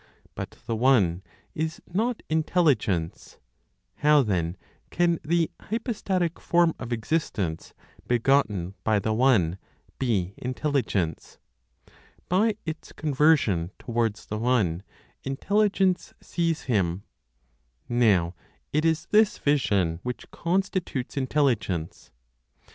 But the One is not Intelligence; how then can the hypostatic (form of existence) begotten by the One be Intelligence? By its conversion towards the One, Intelligence sees Him; now it is this vision which constitutes Intelligence.